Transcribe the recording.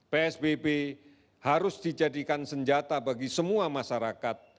psbb harus dijadikan senjata bagi semua masyarakat